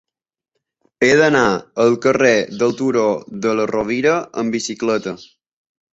He d'anar al carrer del Turó de la Rovira amb bicicleta.